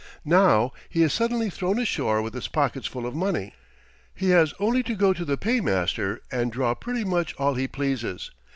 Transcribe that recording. Now he is suddenly thrown ashore with his pockets full of money. He has only to go to the paymaster and draw pretty much all he pleases.